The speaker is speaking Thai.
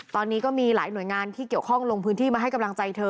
ตอนนี้ก็มีหลายหน่วยงานที่เกี่ยวข้องลงพื้นที่มาให้กำลังใจเธอ